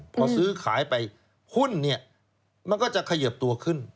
พอซื้อขายไปหุ้นเนี่ยมันก็จะเขยิบตัวขึ้น